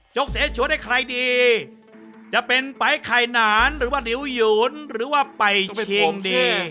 กเสชวนให้ใครดีจะเป็นไปไข่หนานหรือว่าดิวหยุนหรือว่าไปคงดี